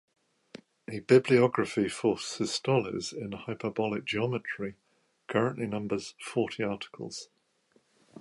A bibliography for systoles in hyperbolic geometry currently numbers forty articles.